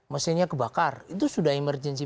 mesinnya kebakar itu sudah emergency